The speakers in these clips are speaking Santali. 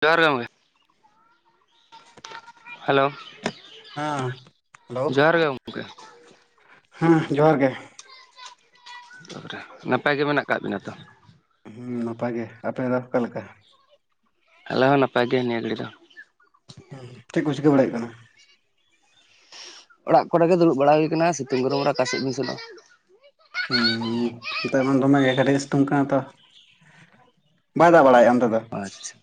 ᱡᱚᱦᱟᱨ ᱜᱮ ᱜᱚᱝᱠᱮ ᱦᱮᱞᱳ ᱦᱮᱸ ᱦᱮᱞᱳ [inaudible] ᱦᱮᱸ ᱡᱚᱦᱟᱨ ᱜᱮ ᱛᱟᱨᱯᱚᱨᱮ ᱱᱟᱯᱟᱭ ᱜᱮ ᱢᱮᱱᱟᱜ ᱠᱟᱜ ᱵᱤᱱᱟ ᱛᱚ? ᱦᱮᱸ ᱱᱟᱯᱟᱭ ᱜᱮ! ᱟᱯᱮ ᱫᱚ ᱚᱠᱟᱮ ᱞᱮᱠᱟ? ᱟᱞᱮ ᱦᱚᱸ ᱱᱟᱯᱟᱭ ᱜᱮᱭᱟ ᱱᱤᱭᱟᱹ ᱜᱷᱟᱹᱲᱤ ᱫᱚ᱾ ᱦᱮᱸ ᱪᱮᱫ ᱠᱚ ᱪᱤᱠᱟᱹ ᱵᱟᱲᱟᱭ ᱠᱟᱱᱟ? ᱚᱲᱟᱜ ᱠᱚᱨᱮᱜᱮ ᱫᱩᱲᱩᱵ ᱵᱟᱲᱟ ᱦᱩᱭ ᱠᱟᱱᱟ ᱥᱤᱛᱩᱝ ᱜᱨᱚᱢ ᱨᱮ ᱠᱟᱥᱤᱮᱫ ᱵᱤᱱ ᱥᱮᱱᱚᱜᱼᱟ᱾ ᱦᱮᱸ ᱱᱤᱛ ᱫᱚᱢᱮᱮ ᱠᱟᱴᱤᱡ ᱮᱭ ᱥᱤᱛᱩᱝ ᱠᱟᱱᱟ ᱛᱚ᱾ ᱵᱟᱭ ᱫᱟᱜ ᱵᱟᱲᱟᱭᱮᱫ? ᱟᱪᱪᱷᱟ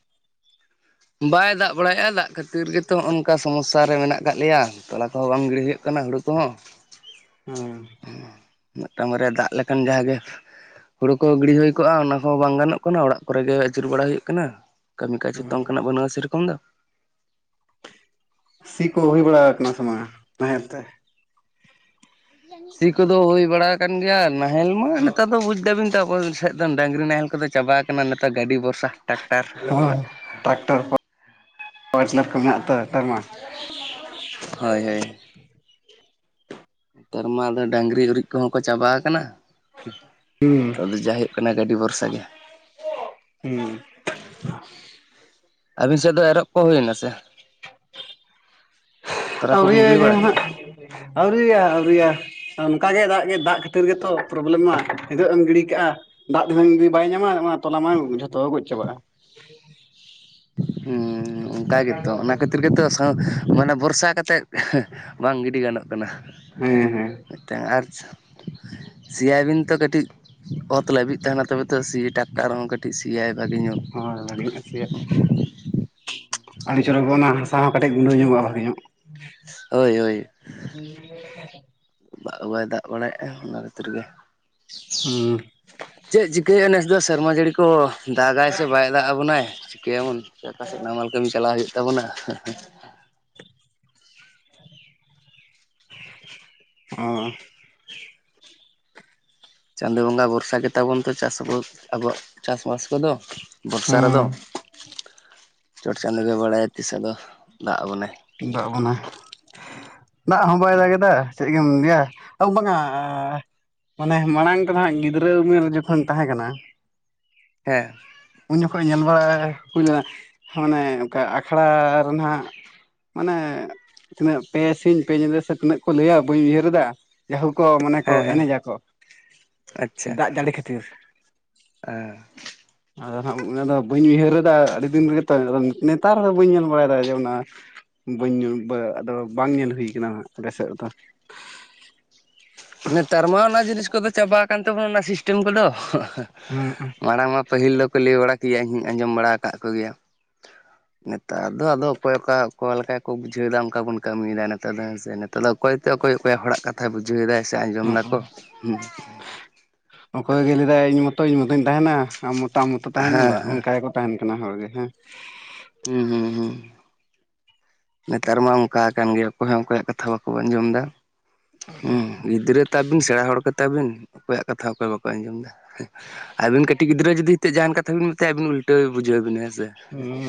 ᱵᱟᱭ ᱫᱟᱜ ᱵᱟᱲᱟᱭᱮᱫᱼᱟ, ᱫᱟᱜ ᱠᱷᱟᱹᱛᱤᱨ ᱜᱮᱛᱚ ᱱᱚᱝᱠᱟ ᱥᱚᱢᱚᱥᱥᱟ ᱨᱮ ᱢᱮᱱᱟᱜ ᱟᱠᱟᱫ ᱞᱮᱭᱟ ᱛᱚᱞᱟ ᱠᱚᱦᱚᱸ ᱵᱟᱝ ᱜᱤᱲᱤ ᱦᱩᱭᱩᱜ ᱠᱟᱱᱟ ᱦᱩ ᱢᱤᱫᱴᱟᱝ ᱵᱟᱨᱭᱟ ᱫᱟᱜ ᱞᱮᱠᱟᱱ ᱡᱟᱦᱟᱸ ᱜᱮ ᱦᱩᱲᱩ ᱠᱚ ᱜᱤᱲ ᱦᱩᱭ ᱠᱚᱜᱼᱟ᱾ ᱚᱱᱟ ᱠᱚᱚᱸ ᱵᱟᱝ ᱜᱟᱱᱚᱜ ᱠᱟᱱᱟ ᱚᱲᱟᱜ ᱠᱚᱨᱮ ᱜᱮ ᱤᱨ ᱵᱟᱲᱟ ᱦᱩᱭᱩᱜ ᱠᱟᱱᱟ᱾ ᱠᱟᱹᱢᱤ ᱠᱟᱡᱽᱚ ᱦᱮᱸ ᱚᱱᱠᱟᱱᱟᱜ ᱵᱟᱹᱱᱩᱜᱼᱟ᱾ ᱥᱮᱨᱚᱠᱚᱢ ᱫᱚ ᱥᱤ ᱠᱚ ᱦᱩᱭ ᱵᱟᱲᱟ ᱠᱟᱱᱟ ᱥᱮ ᱵᱟᱝᱟᱝᱟ ᱱᱟᱦᱮᱞ ᱛᱮ ᱥᱤ ᱠᱚᱫᱚ ᱦᱩᱭ ᱵᱟᱲᱟ ᱠᱟᱱᱟᱱ ᱜᱮᱭᱟ ᱱᱟᱦᱮᱞ ᱢᱟ ᱱᱮᱛᱟᱨ ᱫᱚ ᱵᱩᱡ ᱫᱟᱵᱤᱱ ᱫᱚ ᱰᱟᱹᱜᱨᱤ ᱱᱟᱦᱮᱞ ᱠᱚᱫᱚ ᱪᱟᱵᱟ ᱟᱠᱟᱱᱟ᱾ ᱱᱤᱛᱚᱜ ᱜᱟᱹᱰᱤ ᱵᱚᱨᱥᱟ ᱦᱳᱭ ᱴᱨᱟᱠᱴᱚᱨ ᱠᱚ ᱢᱮᱱᱟᱜ-ᱟ᱾ ᱴᱨᱟᱠᱴᱚᱨ ᱢᱟ ᱦᱳᱭ ᱦᱳᱭ ᱱᱮᱛᱟᱨ ᱢᱟ ᱟᱫᱚ ᱰᱟᱹᱝᱨᱤ ᱩᱨᱤᱡ ᱠᱚᱦᱚᱸ ᱠᱚ ᱪᱟᱵᱟ ᱠᱟᱱᱟ᱾ ᱦᱩᱸ ᱫᱚ ᱡᱟ ᱦᱩᱭᱩᱜ ᱠᱟᱱᱟ ᱜᱟᱹᱰᱤ ᱵᱷᱚᱨᱥᱟ ᱜᱮ ᱦᱮᱸ ᱟᱹᱵᱤᱱ ᱥᱮᱫ ᱫᱚ ᱮᱨᱚᱜ ᱠᱚ ᱦᱩᱭᱱᱟ ᱥᱮ ᱛᱚᱨᱟ ᱠᱚᱵᱤᱱ ᱟᱹᱣᱨᱤᱭᱟ ᱜᱤᱲᱤ ᱵᱟᱲᱟ ᱜᱮᱜ ᱠᱮᱜᱼᱟ ᱟᱹᱣᱨᱤᱭᱟ ᱟᱹᱣᱨᱤᱭᱟ ᱚᱱᱠᱟ ᱜᱮ ᱫᱟᱜ ᱫᱟᱜ ᱠᱷᱟᱹᱛᱤᱨ ᱜᱮᱛᱚ ᱯᱨᱚᱵᱞᱮ ᱢᱟ ᱦᱟᱹᱜᱜ ᱮᱢ ᱜᱤᱰᱤ ᱠᱟᱜᱼᱟ᱾ ᱫᱟᱜ ᱫᱷᱤᱱᱟᱹᱝ ᱡᱤ ᱵᱟᱭ ᱧᱟᱢᱟ ᱚᱱᱟ ᱛᱚᱞᱟ ᱡᱷᱚᱛᱚ ᱜᱚᱡ ᱪᱟᱵᱟᱜᱼᱟ᱾ ᱦᱮᱸ ᱚᱱᱠᱟ ᱜᱮᱛᱚ ᱚᱱᱟ ᱠᱷᱟᱹᱛᱤᱨ ᱜᱮᱛᱚ ᱢᱟᱱᱮ ᱵᱷᱚᱨᱥᱟ ᱠᱟᱛᱮᱫ ᱵᱟᱝ ᱜᱤᱰᱤ ᱜᱟᱱᱚᱜ ᱠᱟᱱᱟ᱾ ᱦᱮᱸ ᱦᱮᱸ ᱥᱮᱭᱵᱤᱱ ᱛᱚ ᱠᱟᱹᱴᱤᱡ ᱚᱛ ᱞᱟᱹᱵᱤᱫ ᱛᱟᱦᱮᱱᱟ ᱛᱚᱵᱮ ᱥᱤ ᱴᱟᱠᱴᱟᱨ ᱦᱚᱸ ᱠᱟᱹᱴᱤᱡ ᱥᱮ ᱟᱭᱟᱭ ᱦᱚᱭ ᱵᱷᱟᱜᱤ ᱠᱚ ᱥᱤ ᱟᱹᱰᱤ ᱪᱚᱨᱚᱠᱚ ᱚᱱᱟ ᱦᱟᱥᱟ ᱦᱚᱸ ᱠᱟᱹᱴᱤᱡ ᱜᱩᱰᱟᱹ ᱧᱚᱜᱚᱜᱼᱟ᱾ ᱵᱷᱟᱹᱜᱮ ᱧᱚᱜ ᱦᱳᱭ ᱦᱳᱭ [unintelligible] ᱫᱟᱜ ᱵᱟᱭ ᱫᱟᱜ ᱵᱟᱲᱟᱭᱮᱫᱼᱟ ᱚᱱᱟ ᱠᱷᱟᱹᱛᱤᱨ ᱜᱮ ᱦᱩᱸ ᱪᱮᱫ ᱪᱤᱠᱟᱹᱭᱮᱫᱼᱟ ᱱᱮᱥ ᱫᱚ ᱥᱮᱨᱢᱟ ᱡᱟᱹᱲᱤ ᱠᱚ ᱫᱟᱜᱟᱭ ᱥᱮ ᱵᱟᱭ ᱫᱟᱜ ᱟᱵᱚᱱᱟᱭ ᱪᱤᱠᱟᱹᱭᱟᱵᱚᱱ ᱪᱮᱫ ᱚᱠᱟ ᱥᱮᱫ ᱱᱟᱢᱟᱞ ᱠᱟᱹᱢᱤ ᱪᱟᱞᱞᱟᱣ ᱦᱩᱭᱩᱜ ᱛᱟᱵᱚᱱᱟ᱾ [inaudible] ᱚᱸ ᱪᱟᱸᱫᱚ ᱵᱚᱸᱜᱟ ᱵᱷᱚᱨᱥᱟ ᱜᱮᱛᱟᱵᱚᱱ ᱛᱚ ᱪᱟᱥ ᱟᱵ ᱟᱵᱚᱣᱟᱜ ᱪᱟᱥ [unintelligible] ᱠᱚᱫᱚ ᱵᱚᱨᱥᱟ ᱨᱮᱫᱚ ᱪᱚᱴ ᱪᱟᱸᱫᱚ ᱜᱮ ᱵᱟᱲᱟᱭᱟ ᱛᱤᱥ ᱟᱫᱚ ᱫᱟᱜ ᱟᱵᱚᱱᱮ ᱫᱟᱜ ᱵᱚᱱᱟ ᱫᱟᱜ ᱦᱚᱸ ᱵᱟᱭ ᱫᱟᱜ ᱮᱫᱟ ᱪᱮᱫ ᱜᱮᱢ ᱞᱟᱹᱭᱟ-ᱟ ᱵᱟᱝᱟ ᱢᱟᱱᱮ ᱢᱟᱲᱟᱝ ᱛᱮ ᱦᱟᱸᱜ ᱜᱤᱫᱽᱨᱟᱹ ᱩᱢᱮᱨ ᱡᱚᱠᱷᱚᱱ ᱛᱟᱦᱮᱸ ᱠᱟᱱᱟ᱾ ᱦᱮᱸ ᱩᱱ ᱡᱚᱠᱷᱚᱱ ᱧᱮᱞ ᱵᱟᱲᱟ ᱦᱩᱭ ᱞᱮᱱᱟ ᱢᱟᱱᱮ ᱚᱱᱠᱟ ᱟᱠᱷᱲᱟ ᱨᱮᱱᱟᱜ ᱢᱟᱱᱮ ᱛᱤᱱᱟᱹᱜ ᱯᱮ ᱥᱤᱧᱧ ᱯᱮ ᱧᱤᱫᱟᱹ ᱥᱮ ᱛᱤᱱᱟᱹᱜ ᱠᱚ ᱞᱟᱹᱭᱟ ᱵᱟᱹᱧ ᱩᱭᱦᱟᱹᱨᱮᱫᱟ ᱡᱟᱭᱦᱳᱠ ᱠᱚ ᱢᱟᱱᱮ ᱠᱚ ᱦᱮᱸ ᱦᱮᱸ ᱮᱱᱮᱡᱟ ᱠᱚ ᱟᱪᱪᱷᱟ ᱫᱟᱜ ᱡᱟᱹᱲᱤ ᱠᱷᱟᱹᱛᱤᱨ [unintelligible] ᱟᱫᱚ ᱦᱟᱸᱜ ᱚᱱᱟᱫᱚ ᱵᱟᱹᱧ ᱩᱭᱦᱟᱹᱨᱮᱫᱟ ᱟᱹᱰᱤ ᱫᱤᱱ ᱨᱮᱜᱮ ᱛᱚ ᱟᱫᱚ ᱱᱮᱛᱟᱨ ᱫᱚ ᱵᱟᱹᱧ ᱧᱮᱞ ᱵᱟᱲᱟᱭᱮᱫᱟ ᱡᱮ ᱚᱱᱟ ᱵᱟᱹᱧ ᱧᱩ ᱵᱟ ᱟᱫᱚ ᱵᱟᱝ ᱧᱮᱞ ᱦᱩᱭ ᱠᱟᱱᱟ ᱦᱟᱸᱜ ᱟᱞᱮ ᱥᱮᱫ ᱨᱮᱫᱚ ᱠᱟᱱ ᱛᱟᱵᱚᱱᱟ [unintelligible] ᱚᱱᱟ ᱥᱤᱥᱴᱮᱢ ᱠᱚᱫᱚ ᱦᱩᱸ ᱢᱟᱲᱟᱝ ᱢᱟ ᱯᱟᱹᱦᱤᱞ ᱫᱚᱠᱚ ᱞᱟᱹᱭ ᱵᱟᱲᱟ ᱛᱮᱭᱟᱜ ᱤᱧ ᱟᱸᱡᱚᱢ ᱵᱟᱲᱟ ᱟᱠᱟᱫ ᱠᱚᱜᱮᱭᱟ᱾ ᱱᱮᱛᱟᱨ ᱫᱚ ᱟᱫᱚ ᱚᱠᱚᱭ ᱚᱠᱟ ᱚᱠᱟ ᱞᱮᱠᱟ ᱠᱚ ᱵᱩᱡᱷᱟᱹᱣᱮᱫᱟ ᱚᱱᱠᱟ ᱵᱚᱱ ᱠᱟᱹᱢᱤᱭᱮᱫᱟ ᱱᱮᱛᱟᱨ ᱫᱚ ᱦᱮᱸᱥᱮ ᱱᱮᱛᱟᱨ ᱫᱚ ᱚᱠᱚᱭ ᱛᱮ ᱚᱠᱚᱭ ᱚᱠᱚᱭ ᱦᱚᱲᱟᱜ ᱠᱟᱛᱷᱟ ᱵᱩᱡᱷᱟᱹᱣ ᱮᱫᱟᱭ ᱥᱮ ᱟᱸᱡᱚᱢ ᱦᱚᱸ ᱫᱟᱠᱚ ᱦᱩᱸ ᱚ ᱚᱠᱚᱭ ᱜᱮ ᱞᱮᱫᱟᱭ ᱤᱧ ᱢᱚᱛᱚᱧ ᱢᱚᱛ ᱤᱱ ᱛᱟᱦᱮᱱᱟ ᱟᱢ ᱢᱚᱛᱟ ᱟᱢ ᱢᱚᱛᱚ ᱛᱟᱦᱮᱱ ᱢᱮ ᱦᱮᱸ ᱵᱟᱝ ᱦᱮᱸ ᱚᱱᱠᱟ ᱜᱮᱠᱚ ᱛᱟᱦᱮᱱ ᱠᱟᱱᱟ ᱦᱚᱲᱜᱮ ᱦᱮᱸ ᱦᱮᱸ ᱦᱮᱸ ᱦᱮᱸ ᱱᱮᱛᱟᱨ ᱢᱟ ᱚᱱᱠᱟ ᱠᱟᱱ ᱜᱮ ᱚᱠᱚᱭ ᱦᱚᱸ ᱚᱠᱚᱭᱟᱜ ᱠᱟᱛᱷᱟ ᱵᱟᱠᱚ ᱟᱸᱡᱚᱢ ᱮᱫᱟ ᱦᱮᱸ ᱜᱤᱫᱽᱨᱟᱹ ᱛᱟᱵᱤᱱ ᱥᱮᱬᱟ ᱦᱚᱲ ᱜᱮᱛᱟ ᱵᱤᱱ ᱚᱠᱚᱭᱟᱜ ᱠᱟᱛᱷᱟ ᱚᱠᱚᱭ ᱵᱟᱠᱚ ᱟᱸᱡᱚᱢᱫᱟ ᱦᱮᱸ ᱟᱵᱤᱱ ᱠᱟᱹᱴᱤᱡ ᱜᱤᱫᱽᱨᱟᱹ ᱡᱩᱫᱤ ᱱᱤᱛᱳᱚᱜ ᱡᱟᱦᱟᱱ ᱠᱟᱛᱷᱟ ᱵᱮᱤᱱ ᱢᱮᱛᱟᱭᱼᱟ ᱟᱹᱵᱤᱱ ᱩᱞᱴᱟᱹᱣ ᱵᱩᱡᱷᱟᱹᱣ ᱵᱤᱱᱟ᱾ ᱥᱮ ᱦᱩᱸ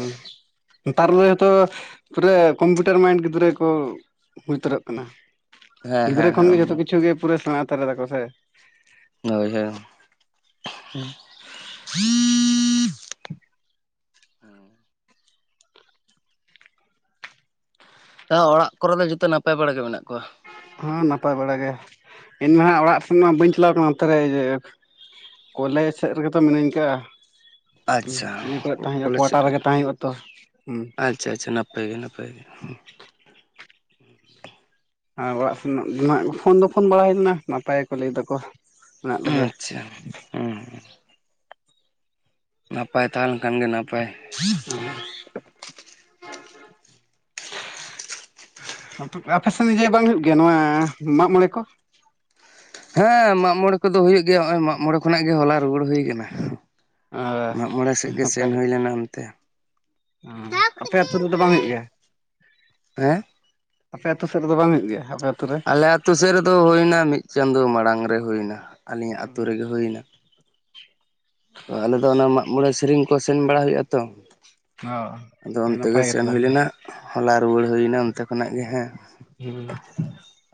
ᱱᱮᱛᱟᱨ ᱫᱚ ᱦᱚᱭᱛᱚ ᱯᱩᱨᱟᱹ ᱠᱚᱢᱯᱤᱭᱩᱴᱟᱨ ᱢᱟᱭᱤᱱᱰ ᱜᱤᱫᱽᱨᱟᱹ ᱠᱚ ᱦᱩᱭᱛᱟᱹᱨᱚᱜ ᱠᱟᱱᱟ᱾ ᱦᱮᱸ ᱜᱤᱫᱽᱨᱟᱹ ᱦᱮᱸ ᱠᱷᱚᱱᱜᱮ ᱦᱮᱸ ᱡᱚᱛᱚ ᱠᱤᱪᱷᱩ ᱜᱮ ᱯᱩᱨᱟᱹ ᱥᱮᱬᱟ ᱦᱟᱛᱟᱹᱨ ᱫᱟᱠᱚ ᱥᱮ ᱦᱳᱭ ᱦᱳᱭ ᱦᱮᱸ [unintelligible] ᱚᱲᱟᱜ ᱠᱚᱨᱮ ᱫᱚ ᱡᱚᱛᱚ ᱱᱟᱯᱟᱭ ᱵᱟᱲᱟ ᱜᱮ ᱢᱮᱱᱟᱜ ᱠᱚᱣᱟ? ᱦᱚᱸᱮᱸ ᱱᱟᱯᱟᱭ ᱵᱟᱲᱟ ᱜᱮ ᱤᱧ ᱢᱟ ᱦᱟᱸᱜ ᱚᱲᱟᱜ ᱥᱮᱱ ᱢᱟ ᱵᱟᱹᱧ ᱪᱟᱞᱟᱣ ᱠᱟᱱᱟ ᱚᱱᱛᱮ ᱨᱮ ᱠᱚᱞᱮᱡᱽ ᱥᱮᱫ ᱨᱮᱜᱮᱛᱚ ᱢᱤᱱᱟᱹᱧ ᱠᱟᱜᱼᱟ ᱟᱪᱪᱷᱟ ᱤᱭᱟᱹ ᱠᱚᱨᱮ ᱛᱟᱦᱮᱸ ᱦᱩᱭᱩᱜᱼᱟ ᱠᱚᱞᱮᱡᱽ ᱥᱮᱫ ᱠᱣᱟᱴᱟᱨ ᱨᱮᱜᱮ ᱛᱟᱦᱮᱸ ᱦᱩᱭᱩᱜ ᱟ ᱛᱚ᱾ ᱦᱩᱸ ᱟᱪᱪᱷᱟ ᱟᱪᱪᱷᱟ ᱱᱟᱯᱟᱭ ᱜᱮ ᱱᱟᱯᱟᱭ ᱜᱮ ᱟᱨ ᱚᱲᱟᱜ ᱥᱮᱱ ᱫᱚ ᱱᱟᱜ ᱯᱷᱳᱱ ᱫᱚ ᱯᱷᱳᱱ ᱵᱟᱲᱟᱭ ᱦᱩᱭ ᱞᱮᱱᱟ ᱱᱟᱯᱟᱭ ᱜᱮᱠᱚ ᱞᱟᱹᱭ ᱫᱟᱠᱚ ᱢᱮᱱᱟᱜ ᱞᱮᱜᱮᱭᱟ ᱟᱪᱪᱷᱟ ᱦᱸ ᱱᱟᱯᱟᱭ ᱛᱟᱦᱮᱸᱞᱮᱱ ᱠᱷᱟᱱ ᱜᱮ ᱱᱟᱯᱟᱭ [inaudible] ᱟᱯᱮ ᱥᱮᱱ ᱡᱮ ᱵᱟᱝ ᱦᱩᱭᱩᱜ ᱜᱮᱭᱟ ᱱᱚᱣᱟ ᱢᱟᱜ ᱢᱚᱬᱮ ᱠᱚ ᱦᱮᱸ ᱢᱟᱜ ᱢᱚᱬᱮ ᱠᱚᱫᱚ ᱦᱩᱭᱩᱜ ᱜᱮᱭᱟ ᱱᱚᱜᱚᱭ ᱢᱟᱜ ᱢᱚᱬᱮ ᱠᱷᱚᱱᱟᱜ ᱜᱮ ᱦᱚᱞᱟ ᱨᱩᱩᱭᱟᱹᱲ ᱦᱩᱭ ᱠᱟᱱᱟ᱾ ᱟᱨ ᱱᱟᱯᱟᱭ ᱞᱮᱱᱟ ᱚᱱᱛᱮ [inaudible] ᱦᱮᱸ ᱟᱯᱮ ᱟᱹᱛᱩ ᱨᱮᱫᱚ ᱵᱟᱝ ᱦᱩᱭᱩᱜ ᱜᱮᱭᱟ? ᱦᱮᱸ ᱟᱯᱮ ᱟᱹᱛᱩᱳ ᱥᱮᱫ ᱨᱮᱫᱚ ᱵᱟᱝ ᱦᱩᱭᱩᱜ ᱜᱮᱭᱟ ᱟᱯᱮ [inaudible] ᱟᱞᱮ ᱟᱹᱛᱩ ᱥᱮᱫ ᱨᱮᱫᱚ ᱦᱩᱭᱱᱟ ᱢᱤᱫ ᱪᱟᱸᱫᱚ ᱢᱟᱲᱟᱝ ᱨᱮ ᱦᱩᱭᱱᱟ ᱟᱹᱞᱤᱧᱟᱜ ᱟᱹᱛᱩᱳ ᱨᱮᱜᱮ ᱦᱩᱭᱱᱟ ᱛᱚ ᱟᱞᱮ ᱫᱚ ᱚᱱᱟ ᱢᱟᱜᱢᱚᱬᱮ ᱥᱮᱨᱮᱧ ᱠᱚ ᱥᱮᱱ ᱵᱟᱲᱟ ᱦᱩᱭᱩᱜ ᱟ ᱛᱚ ᱚ ᱟᱫᱚ ᱟᱹᱰᱤ ᱚᱱᱛᱮ ᱜᱮ ᱱᱟᱯᱟᱭ ᱥᱮᱱ ᱦᱩᱭ ᱛᱟᱦᱚᱞᱮ ᱞᱮᱱᱟ ᱦᱚᱞᱟ ᱨᱩᱣᱟᱹᱲ ᱦᱩᱭᱮᱱᱟ ᱚᱱᱛᱮ ᱠᱷᱚᱱᱟᱜ ᱜᱮ ᱦᱮᱸ ᱦᱮᱸ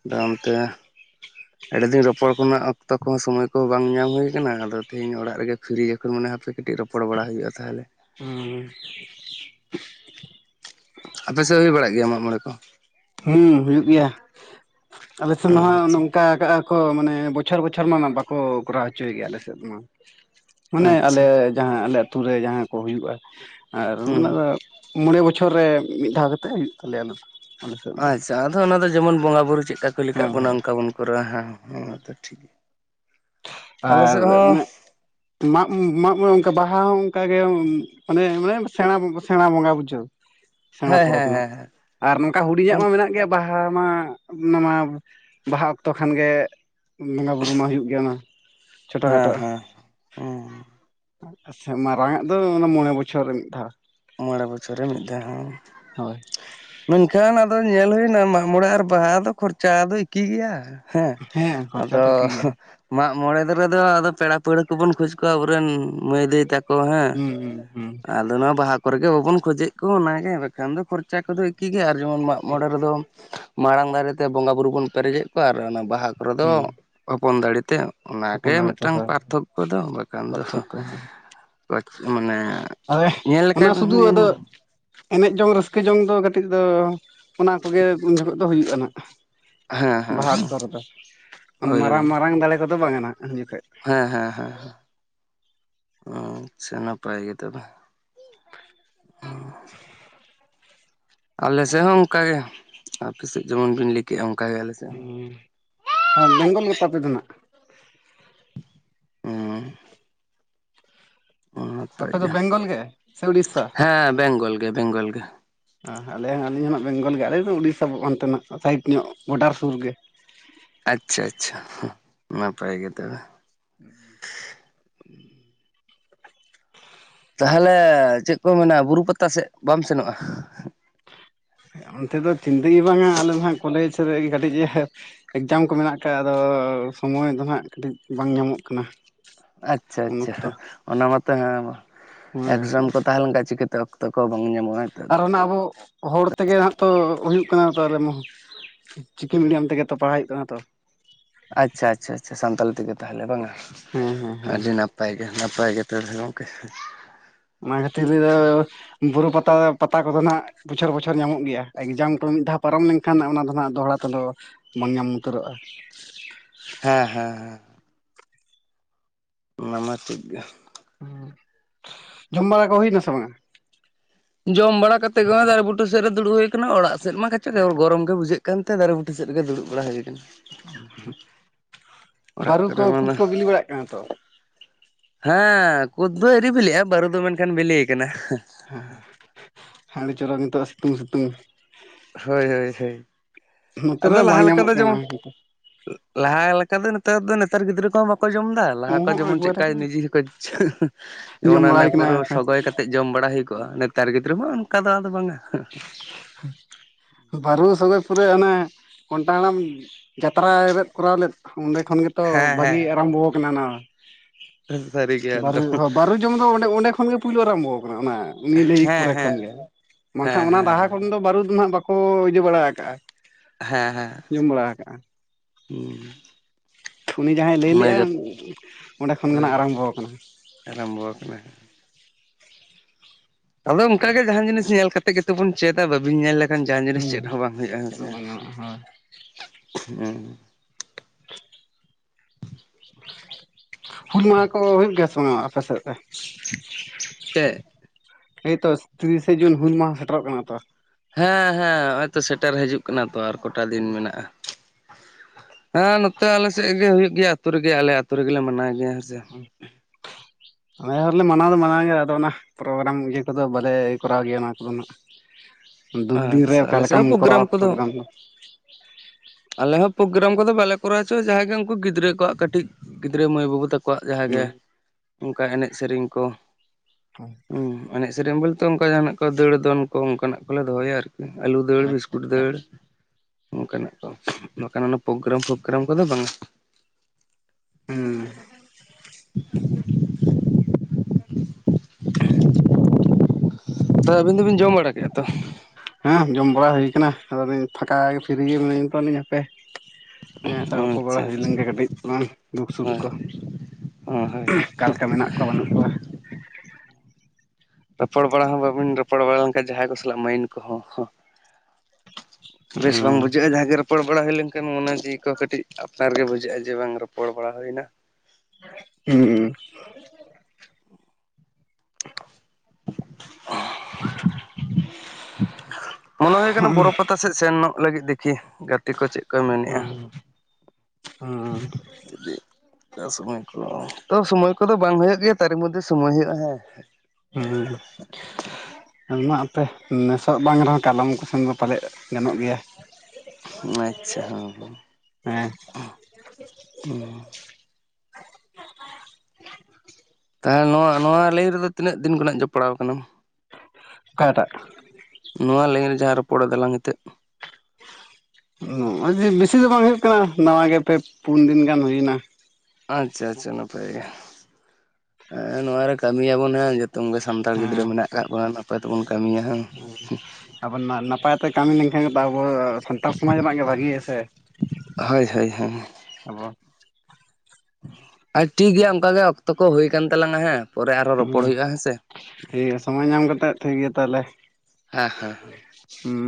ᱟᱫᱚ ᱚᱱᱛᱮ ᱟᱹᱰᱤ ᱫᱤᱱ ᱨᱚᱯᱚᱲ ᱠᱷᱚᱱᱟᱜ ᱚᱠᱛᱚ ᱠᱚᱦᱚᱸ ᱥᱚᱢᱚᱭᱭᱦ ᱵᱟᱝ ᱧᱟᱢ ᱦᱩᱭᱩᱭᱟᱟᱱᱟ ᱟᱫᱚ ᱛᱮᱦᱮᱧ ᱚᱲᱟᱜ ᱨᱮᱜᱮ ᱯᱷᱤᱨᱭᱟᱹ ᱠᱷᱚᱱ ᱢᱮᱱᱮ ᱦᱟᱯᱮ ᱠᱟᱹᱴᱤᱡ ᱨᱚᱯᱚᱲ ᱵᱟᱲᱟ ᱦᱩᱭᱩᱜᱼᱟ ᱛᱟᱦᱞᱮ ᱦᱩᱸ ᱟᱯᱮ ᱥᱮᱫ ᱦᱩᱭ ᱵᱟᱲᱟᱜ ᱜᱮᱭᱟ ᱢᱟᱜ ᱢᱚᱬᱮ ᱠᱚ ᱦᱮᱸ ᱦᱩᱭᱩᱜ ᱜᱮᱭᱟ ᱟᱞᱮᱥᱮᱱ ᱢᱟᱦᱜ ᱟᱪᱪᱷᱟ ᱱᱚᱝᱠᱟ ᱠᱟᱜ [inaudible] ᱢᱟᱱᱮ ᱵᱚᱪᱷᱚᱨ ᱵᱚᱪᱷᱚᱨ ᱢᱟ ᱵᱟᱠᱚ ᱠᱚᱨᱟᱣ ᱦᱚᱪᱚᱭ ᱜᱮᱭᱟ ᱟᱞᱮ ᱥᱮᱫ ᱢᱟ ᱢᱟᱱᱮ ᱟᱞᱮ ᱟᱪᱪᱷᱟ ᱡᱟᱦᱟᱸ ᱟᱞᱮ ᱟᱛ ᱨᱮ ᱡᱟᱦᱟᱸ ᱠᱚ ᱦᱩᱭᱩᱜᱼᱟ ᱟᱨ ᱚᱱᱟ ᱦᱩᱸ ᱫᱚ ᱢᱚᱬᱮ ᱵᱚᱪᱷᱚᱨ ᱨᱮ ᱢᱤᱫ ᱫᱷᱟᱣ ᱠᱟᱛᱮᱮᱫ ᱦᱩᱭᱩᱜ ᱛᱟᱞᱮᱭᱟ ᱟᱞᱮ ᱫᱚ ᱟᱞᱮ ᱥᱮᱫ ᱫᱚ ᱟᱪᱪᱷᱟ ᱟᱫᱚ ᱚᱱᱟ ᱫᱚ ᱡᱮᱢᱚᱱ ᱵᱚᱸᱜᱟ ᱵᱩᱨᱩ ᱪᱮᱫ [inaudible] ᱠᱟ ᱪᱠᱟ ᱠᱩᱞ ᱠᱟᱜ ᱦᱮᱸ ᱵᱚᱱᱟ ᱦᱮᱸ ᱚᱱᱠᱟ ᱵᱚᱱ ᱠᱚᱨᱟᱣᱟ ᱦᱮᱸ ᱛᱚ ᱴᱷᱤᱠ ᱜᱮᱭᱟ [inaudible] ᱟᱞᱮ ᱟᱨ ᱥᱮᱫ ᱦᱚᱸ ᱚᱱᱟ ᱢᱟᱜ ᱢᱟᱜ ᱢᱚᱬᱮ ᱚᱱᱠᱟ ᱵᱟᱦᱟ ᱦᱚᱸ ᱚᱱᱠᱟᱜᱮ ᱢᱟᱱᱮ ᱢᱟᱱᱮ ᱥᱮᱬᱟ ᱵ ᱥᱮᱬᱟ ᱵᱚᱸᱜᱟ ᱵᱩᱡᱷᱟᱹᱣ ᱥᱮᱬᱟ ᱦᱮᱸ ᱯᱚᱨᱚᱵᱽ ᱦᱮᱸ ᱨᱮᱱᱟᱜ ᱦᱮᱸ ᱟᱨ ᱱᱚᱝᱠᱟ ᱦᱩᱰᱤᱧᱟᱜ ᱢᱟ ᱢᱮᱱᱟᱜ ᱜᱮᱭᱟ ᱵᱟᱦᱟ ᱡᱟᱦᱟᱸ ᱢᱟ ᱚᱱᱟᱢᱟ ᱵᱟᱦᱟ ᱚᱠᱛᱚ ᱠᱷᱟᱱᱜ ᱵᱚᱸᱜᱟ ᱵᱩᱨᱩ ᱢᱟ ᱦᱩᱭᱩᱜ ᱜᱮᱭᱟ ᱢᱟ ᱦᱮᱸ ᱦᱮᱸ ᱦᱸ ᱟᱪᱪᱷᱟ ᱢᱟᱨᱟᱝ ᱟᱜ ᱫᱚ ᱚᱱᱟ ᱢᱚᱬᱮ ᱵᱚᱪᱷᱚᱨ ᱨᱮ ᱢᱤᱫ ᱫᱷᱟᱣ ᱢᱚᱬᱮ ᱵᱚᱪᱷᱚᱨ ᱨᱮ ᱢᱤᱫ ᱫᱷᱟᱣ ᱦᱳᱭ [unintelligible] ᱢᱮᱱᱠᱷᱟᱱ ᱟᱫᱚ ᱧᱮᱞ ᱦᱩᱭᱱᱟ ᱢᱟᱜ ᱢᱚᱬᱮ ᱟᱨ ᱵᱟᱦᱟ ᱫᱚ ᱠᱷᱚᱨᱪᱟ ᱫᱚ ᱮᱤᱠᱤ ᱜᱮᱭᱟ ᱦᱮᱸ ᱠᱷᱚᱨᱪᱟ ᱟᱫᱚ ᱫᱚ ᱮᱠᱤ ᱜᱮᱭᱟ ᱢᱟᱜᱢᱚᱬᱮ ᱫᱤᱱᱨᱫᱚ ᱟᱫᱚ ᱯᱮᱲᱟ ᱯᱟᱹᱲᱦᱟᱹ ᱵᱚᱱ ᱠᱷᱚᱡ ᱠᱚᱣᱟ ᱟᱵᱚᱨᱮᱱ ᱢᱟᱹᱭ ᱫᱟᱹᱭ ᱛᱟᱠᱚ ᱦᱮᱸ ᱦᱩᱸ ᱦᱩᱸ ᱦᱩᱸ ᱟᱫᱚ ᱱᱟᱜ ᱜᱮ ᱵᱟᱵᱚᱱ ᱠᱷᱚᱡᱮᱫ ᱠᱚ ᱚᱱᱟᱜᱮ ᱵᱟᱠᱷᱟᱱ ᱫᱚ ᱠᱷᱚᱨᱪᱟ ᱠᱚᱫᱚ ᱮᱤᱠᱤ ᱜᱮᱭᱟ ᱟᱨ ᱡᱮᱢᱚᱱ ᱢᱟᱜ ᱢᱚᱬᱮ ᱮᱠᱤ ᱨᱮᱫᱚ ᱜᱮᱭᱟ ᱢᱟᱲᱟᱝ ᱫᱟᱸᱬᱮᱛᱮ ᱵᱚᱸᱜᱟ ᱵᱳᱨᱳ ᱵᱚᱱ ᱯᱮᱨᱮᱡᱮᱫ ᱠᱚᱣᱟ ᱟᱨ ᱚᱱᱟ ᱵᱟᱦᱟ ᱠᱚᱨᱮ ᱫᱚ ᱦᱩᱸ ᱦᱚᱯᱚᱱ ᱫᱟᱸᱬᱮᱛᱮ ᱚᱱᱟᱜᱮ ᱦᱚᱯᱚᱱ ᱫᱟᱲᱮ ᱛᱚ ᱢᱤᱫᱴᱟᱱ ᱦᱳᱭ ᱯᱟᱨᱛᱷᱚᱠᱠᱚᱫᱚ ᱵᱟᱠᱷᱟᱱ ᱫᱚ ᱯᱟᱨᱛᱷᱚᱠᱠᱚ [unintelligible] ᱢᱟᱱᱮ ᱟᱫᱚ ᱧᱮᱞ ᱚᱱᱟ ᱞᱮᱠᱷᱟᱡ ᱥᱩᱫᱷᱩ ᱵᱤᱱ ᱟᱫᱚ ᱮᱱᱮᱡ ᱡᱚᱝ ᱨᱟᱹᱥᱠᱟᱹ ᱡᱚᱝ ᱫᱚ ᱠᱟᱹᱴᱤᱡ ᱫᱚ ᱚᱱᱟ ᱠᱚᱜᱮ ᱩᱱ ᱡᱚᱠᱷᱚᱱ ᱫᱚ ᱦᱩᱭᱩᱜᱼᱟ ᱱᱟᱜ ᱦᱮᱸ ᱦᱮᱸ ᱵᱟᱦᱟ ᱚᱠᱛᱚ ᱨᱮᱫᱚ ᱦᱳᱭ ᱦᱳᱭ ᱢᱟᱨᱟᱝ ᱢᱟᱨᱟᱝ ᱫᱟᱲᱮ ᱠᱚᱫᱚ ᱵᱟᱝᱟ ᱱᱟᱜ ᱩᱱ ᱡᱚᱠᱷᱮᱡ ᱦᱮᱸ ᱦᱮᱸ ᱦᱮᱸ ᱟᱪᱪᱷᱟ ᱱᱟᱯᱟᱭ ᱜᱮ ᱛᱚᱵᱮ [inaudible] ᱟᱞᱮ ᱥᱮᱫ ᱦᱚᱸ ᱚᱱᱠᱟᱜᱮ ᱟᱯᱮ ᱥᱮᱫ ᱡᱮᱢᱚᱱ ᱵᱤᱱ ᱞᱟᱹᱭ ᱠᱮᱫᱮᱜᱼᱟ ᱚᱱᱠᱟ [inaudible] ᱦᱩᱸ ᱵᱮᱝᱜᱚᱞ ᱜᱮ ᱛᱟᱯᱮ ᱫᱚᱱᱟᱜ ᱦᱮᱸ ᱦᱚᱸ ᱟᱯᱮ ᱱᱟᱯᱟᱭ ᱫᱚ ᱜᱮ ᱵᱮᱝᱜᱚᱞ ᱜᱮ ᱥᱮ ᱩᱲᱤᱥᱥᱟ ᱦᱮᱸ ᱵᱮᱝᱜᱚᱞ ᱜᱮ ᱵᱮᱝᱜᱚᱞ ᱜᱮ ᱟᱞᱮ ᱦᱚᱸ ᱟᱹᱞᱤᱧ ᱦᱚᱸ ᱱᱟᱜ ᱵᱮᱝᱜᱚᱞ ᱜᱮ ᱟᱞᱤᱧ ᱩᱲᱤᱥᱥᱟ ᱚᱱᱛᱮ ᱱᱟᱜ ᱥᱟᱭᱤᱰ ᱧᱚᱜ ᱵᱚᱰᱟᱨ ᱥᱩᱨ ᱜᱮ ᱦᱚᱸ ᱱᱟᱯᱟᱭ ᱜᱮ ᱛᱚᱵᱮ ᱦᱩᱸ ᱦᱩᱸ ᱛᱟᱦᱚᱞᱮ ᱪᱮᱫ ᱠᱚ ᱢᱮᱱᱟ ᱵᱩᱨᱩ ᱯᱟᱛᱟ ᱥᱮᱫ ᱵᱟᱢ ᱥᱮᱱᱚᱜᱼᱟ ᱚᱱᱛᱮ ᱫᱚ ᱪᱤᱱᱛᱟᱹᱜ ᱜᱮ ᱵᱟᱝᱟ ᱟᱞᱮ ᱫᱚ ᱱᱟᱦᱟᱜ ᱠᱚᱞᱮᱡᱽ ᱨᱮᱜ ᱠᱟᱹᱴᱤᱡ ᱮᱠᱡᱟᱢ ᱠᱚ ᱢᱮᱱᱟᱜ ᱟᱠᱟᱫ ᱟᱫᱚ ᱥᱚᱢᱚᱭ ᱫᱚ ᱱᱦᱟᱜ ᱠᱟᱹᱴᱤᱡ ᱵᱟᱝ ᱧᱟᱢᱚᱜ ᱠᱟᱱᱟ ᱟᱪᱪᱷᱟ ᱩᱱ ᱟᱪᱪᱷᱟ ᱚᱠᱛᱚ ᱚᱱᱟ ᱢᱟᱛᱚ ᱦᱮᱸ ᱦᱳᱭ ᱮᱠᱡᱟᱢ ᱠᱚ ᱛᱟᱦᱮᱸᱞᱱᱠᱟᱱᱡ ᱪᱤᱠᱛᱮ ᱟᱨ ᱚᱱᱟ ᱟᱵᱚ ᱦᱚᱲ ᱛᱮᱜᱮ ᱦᱟᱸᱱᱟᱜ ᱛᱚ ᱦᱩᱭᱩᱜ ᱠᱟᱱᱟ ᱛᱚ ᱟᱞᱮᱢ ᱪᱤᱠᱤ ᱢᱤᱰᱤᱭᱟᱢ ᱛᱮᱜᱮ ᱛᱚ ᱯᱟᱲᱦᱟᱜ ᱦᱩᱭᱩᱜ ᱠᱟᱱᱟ ᱛᱚ ᱟᱪᱪᱷᱟ ᱟᱪᱪᱷᱟ ᱟᱪᱪᱷᱟ ᱥᱟᱱᱛᱟᱞᱤ ᱛᱮᱜᱮ ᱛᱟᱦᱚᱞᱮ ᱵᱟᱝᱟ ᱦᱮᱸ ᱦᱮᱸ ᱦᱮᱸ ᱟᱹᱰᱤ ᱱᱟᱯᱟᱭ ᱜᱮ ᱱᱟᱯᱟᱭ ᱜᱮ ᱛᱚᱵᱮ ᱜᱚᱢᱠᱮ ᱚᱱᱟ ᱠᱷᱟᱹᱛᱤᱨ ᱫᱚ ᱵᱩᱨᱩ ᱯᱟᱛᱟ ᱯᱟᱛᱟ ᱠᱚᱫᱚ ᱦᱦᱟᱜ ᱵᱚᱪᱷᱚᱨ ᱵᱚᱪᱷᱚᱨ ᱧᱟᱢᱚᱜ ᱜᱮᱭᱟ ᱮᱠᱡᱟᱢ ᱠᱚ ᱢᱤᱫ ᱫᱷᱟᱣ ᱯᱟᱨᱚᱢ ᱞᱮᱱᱠᱷᱟᱱ ᱚᱱᱟ ᱫᱚ ᱱᱟᱟᱜ ᱫᱚᱦᱲᱟ ᱠᱷᱚᱱ ᱟᱫᱚ ᱵᱟᱝ ᱧᱟᱢ ᱩᱛᱟᱹᱨᱚᱜᱼᱟ ᱦᱮᱸ ᱦᱮᱸ ᱦᱮᱸ ᱚᱱᱟᱢᱟ ᱴᱷᱤᱠ ᱜᱮ᱾ ᱦᱸ ᱡᱚᱢ ᱵᱟᱲᱟ ᱠᱚ ᱦᱩᱭ ᱱᱟ ᱥᱮ ᱵᱟᱝᱼᱟ? ᱡᱚᱢ ᱵᱟᱲᱟ ᱠᱟᱛᱮ ᱜᱮ ᱫᱟᱨᱮ ᱵᱩᱴᱟᱹ ᱥᱮᱫ ᱨᱮ ᱫᱩᱲᱩᱵ ᱦᱩᱭ ᱟᱠᱟᱱᱟ ᱚᱲᱟᱜ ᱥᱮᱫ ᱢᱟ ᱠᱟᱪ ᱜᱚᱨᱚᱢ ᱜᱮ ᱵᱩᱡᱷᱟᱹᱜ ᱠᱚᱱᱛᱮ ᱫᱟᱨᱮ ᱵᱩᱴᱟᱹ ᱥᱮᱫᱨᱮᱜᱮ ᱫᱩᱲᱩᱵ ᱵᱟᱲᱟ ᱦᱩᱭ ᱟᱠᱟᱱᱟ᱾ [inaudible] ᱚᱲᱟᱜ ᱵᱟᱹᱨᱩ ᱠᱚ ᱠᱚᱨᱮ ᱠᱩᱫ ᱢᱟᱱᱟ ᱠᱚ ᱵᱤᱞᱤ ᱵᱟᱲᱟᱜ ᱠᱟᱱᱟ ᱛᱚ ᱦᱮᱸ ᱠᱩᱫ ᱫᱚ ᱟᱨᱤ ᱵᱤᱞᱤᱜᱼᱟ ᱵᱟᱹᱨᱩ ᱫᱚ ᱢᱮᱱᱠᱷᱟᱱ ᱵᱤᱞᱤ ᱠᱟᱱᱟ᱾ ᱦᱟᱸ ᱦᱟᱺᱰᱤ ᱪᱚᱨᱚᱠ ᱱᱤᱛᱚᱜ ᱥᱤᱛᱩᱝ ᱥᱤᱛᱩᱝ ᱦᱳᱭ ᱦᱳᱭ ᱦᱳᱭ ᱱᱚᱛᱮ ᱟᱫᱚ ᱨᱮ ᱞᱟᱦᱟ ᱵᱟᱝ ᱞᱮᱠᱟ ᱧᱟᱢᱚᱜ ᱫᱚ ᱠᱟᱱᱟ ᱡᱮᱢᱚᱱ ᱞᱟᱦᱟ ᱞᱮᱠᱟ ᱫᱚ ᱱᱮᱛᱟᱨ ᱫᱚ ᱱᱮᱛᱟᱨ ᱜᱤᱫᱽᱨᱟᱹ ᱠᱚᱦᱚᱸ ᱵᱟᱠᱚ ᱠᱚ ᱡᱚᱢ ᱫᱟ ᱞᱟᱦᱟ ᱠᱚ ᱚᱦᱚᱸᱜ ᱡᱮᱢᱚᱱ ᱮᱠᱵᱟᱨᱮ ᱪᱮᱫᱠᱟᱭ ᱱᱤᱡᱮᱠᱚ ᱡᱮᱢᱚᱱ ᱡᱚᱢ ᱚᱱᱮ ᱵᱟᱲᱟᱭ ᱠᱟᱱᱟ ᱯᱩᱨᱟᱹ ᱥᱚᱜᱚᱭ ᱠᱟᱛᱮ ᱡᱚᱢ ᱵᱟᱲᱟ ᱵᱟᱟᱲᱟᱭ ᱦᱩᱭ ᱠᱚᱜᱼᱟ ᱱᱮᱛᱟᱨ ᱜᱤᱫᱽᱨᱟᱹ ᱢᱟ ᱚᱱᱠᱟᱫᱚ ᱟᱫᱚ ᱵᱟᱝᱟ ᱵᱟᱹᱨᱩ ᱥᱚᱜᱚᱭ ᱯᱩᱨᱟᱹ ᱚᱱᱮ ᱠᱚᱱᱴᱟ ᱦᱟᱲᱟᱢ ᱡᱟᱛᱨᱟᱭᱮᱮᱫ ᱠᱚᱨᱟᱣ ᱞᱮᱫ ᱚᱸᱰᱮ ᱠᱷᱚᱱ ᱜᱮᱛᱚ ᱦᱮᱸ ᱵᱷᱟᱹᱜᱤ ᱟᱨᱟᱢᱵᱷᱚ ᱠᱟᱱᱟ ᱚᱱᱟ ᱦᱮᱸ ᱥᱟᱹᱨᱤ ᱜᱮ ᱵᱟᱨᱩ ᱮᱠᱫᱚᱢ ᱦᱚᱸ ᱵᱟᱨᱩ ᱡᱚᱢ ᱫᱚ ᱚᱸᱰᱮ ᱚᱸᱰᱮ ᱠᱷᱚᱱᱜᱮ ᱯᱩᱭᱞᱳ ᱟᱨᱟᱢᱵᱚ ᱟᱠᱟᱱᱟ ᱚᱱᱟ ᱩᱱᱤ ᱞᱟᱹᱭ ᱦᱮᱸ ᱯᱚᱨᱮ ᱦᱮᱸ ᱠᱷᱚᱱ ᱜᱮ ᱦᱮᱸ ᱵᱟᱝᱠᱷᱟᱱ ᱚᱱᱟ ᱞᱟᱦᱟ ᱦᱮᱸ ᱠᱷᱚᱱ ᱫᱚ ᱵᱟᱨᱩ ᱦᱟᱸᱜ ᱵᱟᱠᱚ ᱤᱭᱟᱹ ᱵᱟᱲᱟ ᱟᱠᱟᱜ-ᱟ ᱦᱮᱸ ᱦᱮᱸ ᱦᱮᱸ ᱩᱱᱤ ᱡᱟᱦᱟᱸᱭ ᱞᱟᱹᱭ ᱞᱮᱫ-ᱟ ᱚᱸᱰᱮ ᱠᱷᱚᱱ ᱜᱮᱦᱟᱸ ᱟᱨᱟᱢᱵᱚ ᱟᱠᱟᱱᱟ᱾ ᱟᱨᱚᱢᱵᱚ ᱟᱠᱟᱱᱟ ᱟᱫᱚ ᱚᱱᱠᱟ ᱜᱮ ᱡᱟᱦᱟᱸᱱ ᱡᱤᱱᱤᱥ ᱧᱮᱞ ᱠᱟᱛᱮᱜ ᱜᱮᱛᱚ ᱵᱚᱱ ᱪᱮᱫᱟ ᱵᱟᱹᱵᱤᱱ ᱧᱮᱞ ᱞᱮᱠᱷᱟ ᱮᱠᱷᱟᱱ ᱡᱟᱦᱟᱱ ᱡᱤᱱᱤᱥ ᱪᱮᱫ ᱦᱩᱸ ᱦᱚᱸ ᱵᱟᱝ ᱦᱩᱭᱩᱜ-ᱟ ᱦᱮᱸ ᱪᱮᱫ ᱥᱮ ᱦᱚᱸ ᱦᱮᱸ ᱵᱟᱝ ᱜᱟᱱᱚᱜᱼᱟ ᱦᱳᱭ [inaudible] [inaudible] ᱦᱩᱞ ᱢᱟᱦᱟ ᱠᱚ ᱦᱩᱭᱩᱜ ᱜᱮᱭᱟ ᱥᱮ ᱵᱟᱝ ᱟᱯᱮ ᱥᱮᱫ ᱛᱮ ᱪᱮᱫ? ᱮᱭᱛᱚ ᱛᱤᱨᱤᱥᱟ ᱡᱩᱱ ᱦᱩᱞ ᱢᱟᱦᱟ ᱥᱮᱴᱮᱨᱚᱜ ᱠᱟᱱᱟ ᱛᱚ᱾ ᱦᱮᱸ ᱦᱮᱸ ᱱᱚᱜ-ᱚᱭ ᱛᱚ ᱥᱮᱴᱮᱨ ᱦᱤᱡᱩᱜ ᱠᱟᱱᱟ ᱛᱚ ᱟᱨ ᱠᱚᱴᱟ ᱫᱤᱱ ᱢᱮᱱᱟᱜ-ᱟ᱾ ᱦᱮᱸ ᱱᱚᱛᱮ ᱟᱞᱮ ᱥᱮᱫ ᱜᱮ ᱦᱩᱭᱩᱜ ᱜᱮᱭᱟ ᱟᱹᱛᱩ ᱨᱮᱜᱮ ᱟᱞᱮ ᱟᱹᱛᱩ ᱨᱮᱜᱮᱞᱮ ᱢᱟᱱᱟᱣ ᱜᱮᱭᱟ᱾ ᱦᱮᱸ ᱥᱮ ᱦᱮᱸ ᱟᱞᱮᱦᱚᱸ ᱢᱟᱱᱟᱣ ᱫᱚ ᱢᱟᱱᱟᱣ ᱟᱫᱚ ᱚᱱᱟ ᱯᱨᱳᱜᱨᱟᱢ ᱤᱭᱟᱹ ᱠᱚᱫᱚ ᱵᱟᱞᱮ ᱠᱚᱨᱟᱣ ᱜᱮᱭᱟ ᱚᱱᱟ ᱠᱚᱫᱚ ᱦᱟᱸᱜ ᱟᱪᱪᱷᱟ ᱟᱞᱮ ᱥᱮᱫ ᱦᱚᱸ ᱯᱨᱳᱜᱨᱟᱢ ᱠᱚᱫᱚ ᱫᱚ ᱟᱞᱮ ᱦᱚᱸ ᱯᱨᱳᱜᱨᱟᱢ ᱠᱚᱫᱚ ᱵᱟᱞᱮ ᱠᱚᱨᱟᱣ ᱦᱚᱪᱚᱣᱟ ᱡᱟᱦᱟᱸᱭ ᱜᱮ ᱩᱱᱠᱩ ᱜᱤᱫᱽᱨᱟᱹ ᱠᱚᱣᱟᱜ ᱠᱟᱹᱴᱤᱡ ᱜᱤᱫᱽᱨᱟᱹ ᱢᱟᱹᱭ ᱵᱟᱹᱵᱩ ᱛᱟᱠᱚᱣᱟᱜ ᱡᱟᱦᱟᱸ ᱜᱮ ᱦᱩᱸ ᱚᱱᱠᱟ ᱮᱱᱮᱡ ᱥᱮᱨᱮᱧ ᱠᱚ ᱾ ᱮᱱᱮᱡ ᱥᱮᱨᱮᱧ ᱵᱚᱞᱛᱮ ᱚᱱᱠᱟ ᱡᱟᱦᱟᱱᱟᱜ ᱠᱚ ᱫᱟᱹᱲ ᱫᱚᱱ ᱠᱚ ᱚᱱᱠᱟᱱᱟᱜ ᱠᱚᱞᱮ ᱫᱚᱦᱚᱭᱟ ᱟᱨ ᱟᱞᱩ ᱫᱟᱹᱲ ᱟᱪᱪᱷᱟ ᱵᱤᱥᱠᱩᱴ ᱟᱪᱪᱷᱟ ᱫᱟᱹᱲ ᱚᱱᱠᱟᱱᱟᱜ ᱠᱚ ᱱᱚᱝᱠᱟ ᱯᱨᱳᱜᱨᱟᱢ ᱯᱨᱜᱨᱟᱢ ᱠᱚᱫᱚ ᱵᱟᱝ-ᱟ᱾ ᱦᱮᱸ ᱛᱚ ᱟᱹᱵᱤᱱ ᱫᱚᱵᱤᱱ ᱡᱚᱢ ᱵᱟᱲᱟ ᱠᱮᱫ-ᱟ ᱛᱚ? ᱦᱟᱸ ᱡᱚᱢ ᱵᱟᱲᱟ ᱦᱩᱭ ᱠᱟᱱᱟ ᱟᱫᱚᱞᱤᱧ ᱯᱷᱟᱸᱠᱟ ᱯᱷᱤᱨᱤ ᱜᱮ ᱢᱮᱱᱟᱧ ᱛᱮ ᱦᱟᱯᱮ ᱱᱮᱥᱮ ᱨᱚᱯᱚ ᱵᱟᱲᱟ ᱟᱪᱪᱷᱟ ᱦᱩᱭ ᱟᱪᱪᱷᱟ ᱞᱮᱱᱜᱮ ᱠᱟᱹᱴᱤᱡ ᱫᱩᱠ ᱥᱩᱠᱷ ᱦᱳᱭ ᱠᱚ ᱦᱳᱭ ᱚᱠᱟ ᱞᱮᱠᱟ ᱢᱮᱱᱟᱜ ᱠᱚᱣᱟ ᱵᱟᱹᱱᱩᱜ ᱠᱚᱣᱟ ᱨᱚᱯᱚᱲ ᱵᱟᱲᱟ ᱦᱚᱸ ᱵᱟᱹᱵᱤᱱ ᱨᱚᱯᱚᱲ ᱵᱟᱲᱟ ᱞᱮᱱᱠᱷᱟᱱ ᱡᱟᱦᱟᱸᱭ ᱠᱚ ᱥᱟᱞᱟᱜ ᱢᱟᱭᱤᱱᱰ ᱠᱚᱦᱚᱸ ᱵᱮᱥ ᱵᱟᱝ ᱦᱩᱸ ᱵᱩᱡᱷᱟᱹᱜ-ᱟ ᱡᱟᱜᱮ ᱨᱮ ᱨᱚᱯᱚᱲ ᱵᱟᱲᱟ ᱦᱩᱭ ᱞᱮᱱᱠᱷᱟᱱ ᱢᱚᱱᱮ ᱡᱤᱣᱤ ᱠᱚ ᱠᱟᱹᱴᱤᱡ ᱟᱯᱱᱟᱨ ᱜᱮ ᱵᱩᱡᱷᱟᱹᱜ-ᱟ ᱡᱮ ᱵᱟᱝ ᱨᱚᱯᱚᱲ ᱵᱟᱲᱟ ᱦᱩᱭ ᱮᱱᱟ᱾ ᱦᱮᱸ [unintelligible] ᱢᱚᱱᱮ ᱦᱩᱭ ᱠᱟᱱᱟ ᱵᱚᱨᱚ ᱯᱟᱛᱟ ᱥᱮᱫ ᱥᱮᱱᱚᱜ ᱞᱟᱹᱜᱤᱫ ᱫᱮᱠᱷᱤ᱾ ᱜᱟᱛᱮ ᱠᱚ ᱪᱮᱫ ᱠᱚ ᱢᱮᱱᱮᱫ-ᱟ ᱚᱠᱟ ᱥᱚᱢᱚᱭ ᱠᱚ ᱚ ᱛᱚ ᱥᱚᱢᱚᱭ ᱠᱚᱫᱚ ᱵᱟᱝ ᱦᱩᱭᱩᱜ ᱜᱮᱭᱟ ᱛᱟᱨᱮ ᱢᱚᱫᱽᱫᱷᱮ ᱥᱚᱢᱚᱭ ᱦᱩᱭᱩᱜ-ᱟ ᱦᱮᱸ ᱦᱮᱸ ᱱᱚᱣᱟ ᱯᱮ ᱱᱮᱥ ᱦᱟᱸᱜ ᱵᱟᱝ ᱨᱮᱦᱚᱸ ᱠᱟᱞᱚᱢ ᱠᱚ ᱥᱮᱱ ᱫᱚ ᱯᱟᱞᱮᱫ ᱜᱟᱱᱚᱜ ᱜᱮᱭᱟ᱾ ᱟᱪᱪᱷᱟ ᱦᱚᱸ ᱦᱮᱸ ᱦᱚᱸ ᱦᱚᱸ ᱛᱟᱦᱚᱞᱮ ᱱᱚᱣᱟ ᱱᱚᱣᱟ ᱞᱟᱭᱤᱱ ᱨᱮᱫᱚ ᱛᱤᱱᱟᱹᱜ ᱫᱤᱱ ᱠᱷᱚᱱᱟᱜ ᱡᱚᱯᱲᱟᱣ ᱟᱠᱟᱱᱟᱢ? ᱚᱠᱟᱴᱟᱜ ᱱᱚᱣᱟ ᱞᱟᱭᱤᱱ ᱡᱟᱦᱟᱸ ᱨᱚᱯᱚᱲ ᱫᱟᱞᱟᱝ ᱱᱤᱛᱳᱜ ᱱᱚᱜ-ᱚᱭ ᱡᱮ ᱵᱮᱥᱤ ᱫᱚ ᱵᱟᱝ ᱦᱩᱭᱩᱜ ᱠᱟᱱᱟ ᱱᱟᱣᱟ ᱜᱮ ᱯᱮ ᱯᱩᱱ ᱫᱤᱱ ᱜᱟᱱ ᱦᱩᱭᱱᱟ᱾ ᱟᱪᱪᱷᱟ ᱟᱪᱪᱷᱟ ᱱᱟᱯᱟᱭ ᱜᱮ ᱦᱮᱸ ᱱᱚᱣᱟᱨᱮ ᱠᱟᱹᱢᱤᱭ ᱟᱵᱚᱱ ᱦᱮᱸ ᱡᱚᱛᱚ ᱦᱮᱸ ᱟᱪᱪᱷᱟ ᱛᱮᱵᱚᱱ ᱠᱟᱹᱢᱤᱭᱟ ᱦᱟᱸᱜ ᱟᱵᱚ ᱱᱟᱯᱟᱭ ᱛᱮ ᱠᱟᱹᱢᱤ ᱞᱮᱱᱠᱷᱟᱱ ᱦᱮᱸ ᱟᱵᱚ ᱥᱟᱱᱛᱟᱲ ᱥᱚᱢᱟᱡᱽ ᱨᱮᱱᱟᱜ ᱜᱮ ᱵᱷᱟᱜᱤ ᱟ ᱥᱮ ᱦᱳᱭ ᱦᱳᱭ ᱦᱮᱸ ᱟᱵᱚ ᱟᱨ ᱴᱷᱤᱠ ᱜᱮᱭᱟ ᱚᱱᱠᱟ ᱜᱮ ᱚᱠᱛᱚ ᱠᱚ ᱦᱩᱭᱠᱟᱱ ᱛᱟᱞᱟᱝᱟ ᱦᱮᱸ ᱯᱚᱨᱮ ᱟᱨᱦᱚᱸ ᱨᱚᱯᱚᱲ ᱦᱮᱸ ᱦᱩᱭᱩᱜᱼᱟ ᱥᱮ ᱴᱷᱤᱠᱜᱮᱭᱟ ᱥᱚᱢᱚᱭ ᱧᱟᱢ ᱠᱟᱛᱮᱫ ᱴᱷᱤᱠ ᱜᱮᱭᱟ ᱛᱟᱦᱚᱞᱮ ᱦᱮᱸ ᱦᱮᱸ ᱦᱩᱸ